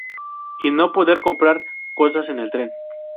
Y no poder comprar cosas en el tren.